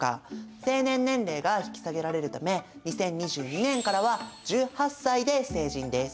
成年年齢が引き下げられるため２０２２年からは１８歳で成人です。